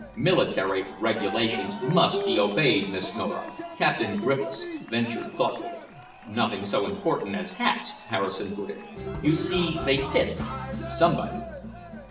"Military regulations must be obeyed, Miss Nora," Captain Griffiths ventured thoughtfully. "Nothing so important as hats," Harrison put in. "You see they fit somebody."